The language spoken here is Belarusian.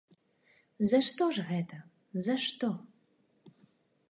За што ж гэта, за што?